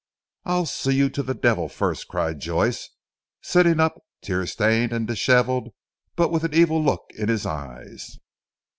"I'll see you to the devil first," cried Joyce sitting up tear stained and dishevelled but with an evil look in his eyes.